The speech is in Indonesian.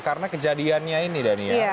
karena kejadiannya ini dania